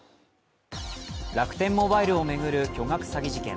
楽天モバイルを巡る巨額詐欺事件。